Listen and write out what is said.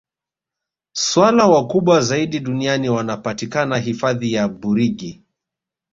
swala wakubwa zaidi duniani wanapatikana hifadhi ya burigi